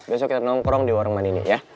besok kita nongkrong di warung man ini ya